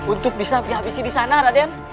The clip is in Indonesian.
untuk bisa dihabisi disana raden